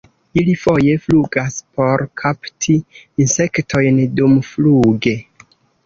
Ili foje flugas por kapti insektojn dumfluge.